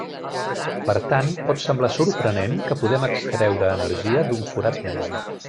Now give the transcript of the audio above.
Per tant, pot semblar sorprenent que podem extreure energia d'un forat negre.